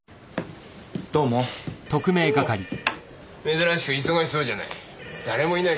珍しく忙しそうじゃない。